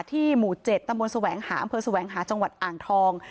หมู่๗ตำบลแสวงหาอำเภอแสวงหาจังหวัดอ่างทอง